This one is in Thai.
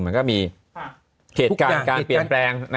มันก็มีเหตุการณ์การเปลี่ยนแปลง